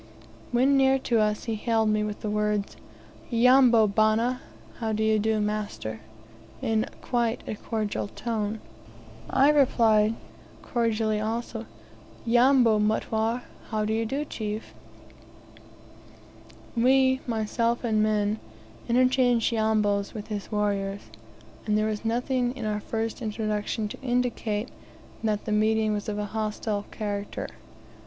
When near to us, he hailed me with the words, "Yambo, bana? How do you do, master?" in quite a cordial tone. I replied cordially also, "Yambo, mutware? How do you do, chief?" We, myself and men, interchanged "Yambos" with his warriors; and there was nothing in our first introduction to indicate that the meeting was of a hostile character.